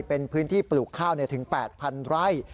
เป็นพื้นที่ปลูกข้าวถึง๘๐๐๐ไร่